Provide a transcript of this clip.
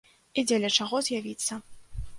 І дзеля чаго з'явіцца.